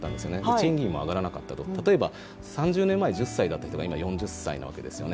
賃金も上がらなかったと、３０年前１０歳だった人が今４０歳なんですよね。